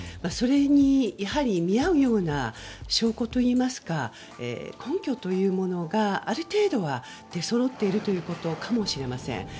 それに見合うような証拠といいますか根拠というものが、ある程度は出そろっているということかもしれません。